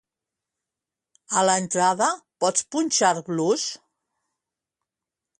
A l'entrada, pots punxar blues?